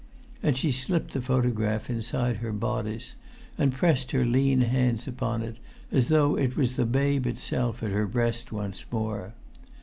And she slipped the photograph inside her bodice, and pressed her lean hands upon it, as though it were the babe itself at her breast once more.